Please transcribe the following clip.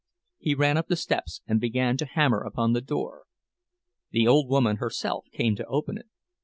He ran up the steps and began to hammer upon the door. The old woman herself came to open it.